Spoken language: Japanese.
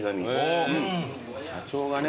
社長がね